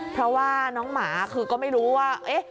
เพราะว่าน้องหมาคือก็ไม่รู้ว่า